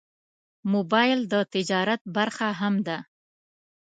موبایل د تجارت برخه هم ده.